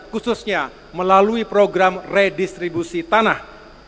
khususnya melalui program redistribusi tanah